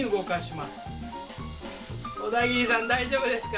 小田切さん大丈夫ですか？